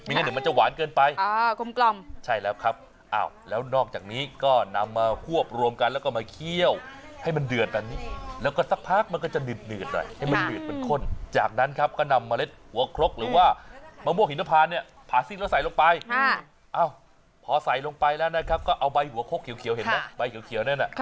ไม่งั้นเดี๋ยวมันจะหวานเกินไป